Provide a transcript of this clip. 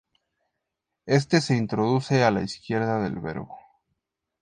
Este se introduce a la izquierda del verbo.